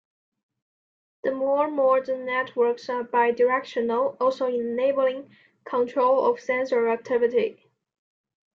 The more modern networks are bi-directional, also enabling "control" of sensor activity.